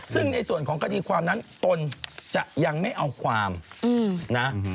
ซึ่งในส่วนของคดีความนั้นตนจะยังไม่เอาความนะ